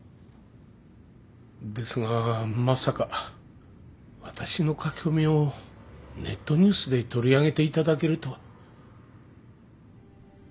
ですがまさか私の書き込みをネットニュースで取り上げていただけるとは。